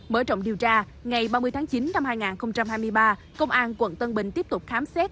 mở rộng điều tra ngày ba mươi tháng chín năm hai nghìn hai mươi ba công an quận tân bình tiếp tục khám xét